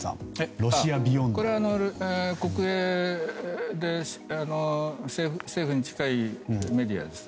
これは国営で政府に近いメディアです。